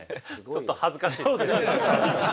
ちょっと恥ずかしいですね。